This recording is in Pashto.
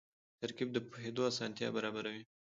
ترکیب د پوهېدو اسانتیا برابروي.